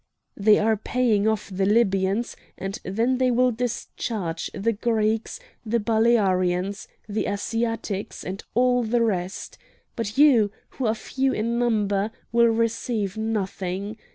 "They are paying off the Libyans, and then they will discharge the Greeks, the Balearians, the Asiatics and all the rest! But you, who are few in number, will receive nothing!